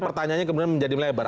pertanyaannya kemudian menjadi melebar